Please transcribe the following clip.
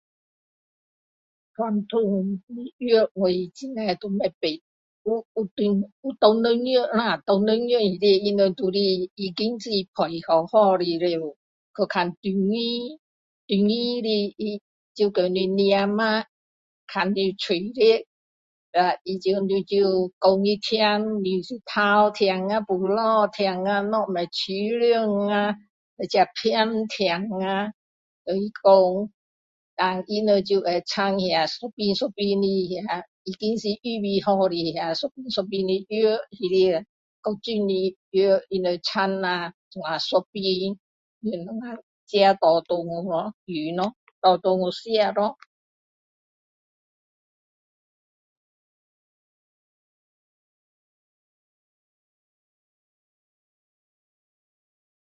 讲到药我很多都不知道有华人药啦她们都是派好好的了去看中医中医的那个跟你抓脉看舌头然后你讲给他听头痛呀肚子痛呀哪里不舒服呀这背痛呀然后他们就会掺一瓶一瓶的那个已经是预备好的那个一瓶一瓶的药各种的药他们掺啦这样一瓶我们自己拿回去用咯拿回去吃咯